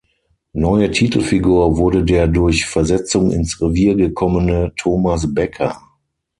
Neue Titelfigur wurde der durch Versetzung ins Revier gekommene Thomas Becker.